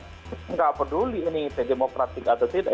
tidak peduli ini demokratik atau tidak